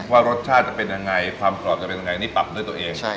ว่ารสชาติจะเป็นยังไงความกรอบจะเป็นยังไงนี่ปรับด้วยตัวเอง